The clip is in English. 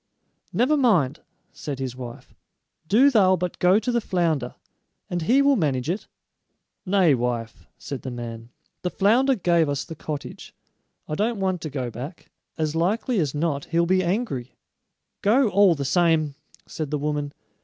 "Never mind," said his wife; "do thou but go to the flounder, and he will manage it." "Nay, wife," said the man; "the flounder gave us the cottage. I don't want to go back; as likely as not he'll be angry." "Go, all the same," said the woman.